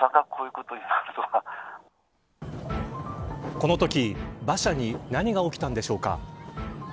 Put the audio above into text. このとき馬車に何が起きたんでしょうか。